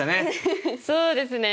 そうですね。